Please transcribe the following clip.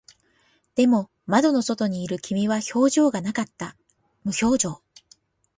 でも、窓の外にいる君は表情がなかった。無表情。